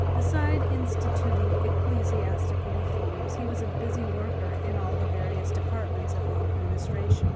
Beside instituting ecclesiastical reforms he was a busy worker in all the various departments of the administration.